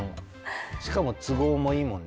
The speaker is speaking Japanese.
しかも都合もいいもんね。